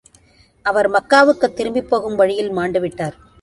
அவர் மக்காவுக்குத் திரும்பிப்போகும் வழியில் மாண்டு விட்டார்.